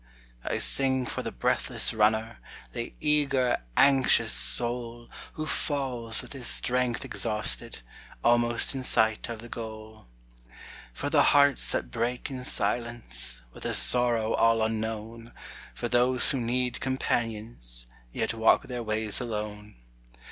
I sing for the breathless runner, The eager, anxious soul, Who falls with his strength exhausted, Almost in sight of the goal; For the hearts that break in silence, With a sorrow all unknown, For those who need companions, Yet walk their ways alone.